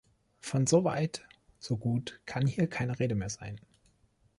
Von soweit so gut kann hier keine Rede mehr sein.